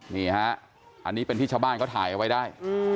นี่ฮะอันนี้เป็นที่ชาวบ้านเขาถ่ายเอาไว้ได้